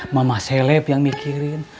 mama selef yang mikirin